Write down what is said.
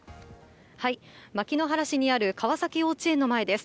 牧之原市にある川崎幼稚園の前です。